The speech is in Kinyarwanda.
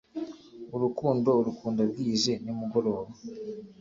urukundo rukunda bwije nimugoroba